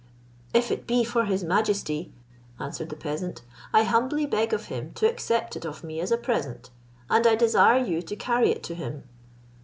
"If it be for his majesty," answered the. peasant, "I humbly beg of him to accept it of me as a present, and I desire you to carry it to him."